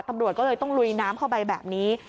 ตำรวจก็เลยต้องลุยน้ำเข้าไปแบบนี้